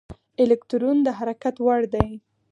الکترون د حرکت وړ دی.